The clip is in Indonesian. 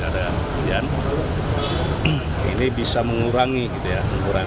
kayak cuaca sudah berjalan tiga hari dan selama dua hari ini tidak ada hujan